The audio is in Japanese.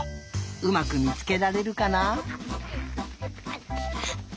うまくみつけられるかな？